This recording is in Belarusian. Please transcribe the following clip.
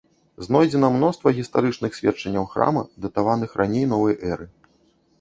Знойдзена мноства гістарычных сведчанняў храма датаваных раней новай эры.